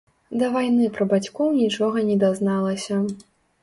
Да вайны пра бацькоў нічога не дазналася.